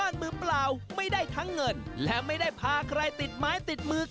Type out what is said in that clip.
อย่างนี้ไปแล้ว